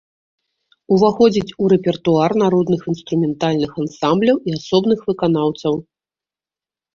Уваходзіць у рэпертуар народных інструментальных ансамбляў і асобных выканаўцаў.